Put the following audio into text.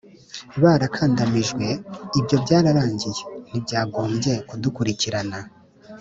barakandamijwe, ibyo byararangiye, ntibyagombye kudukurikirana.